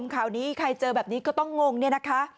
ข่าวนี้ใครเจอแบบนี้ก็ต้องงงเนี่ยนะคะ